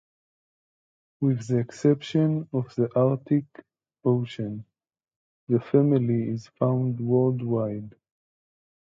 With the exception of the Arctic Ocean, the family is found worldwide.